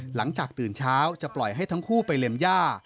หลังจากตื่นเช้าจะปล่อยให้ทั้งคู่ไปเล็มย่า